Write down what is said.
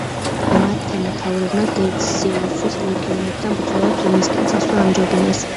მათმა მეთაურებმა დეციუსის ლეგიონებთან ბრძოლას რომისკენ წასვლა ამჯობინეს.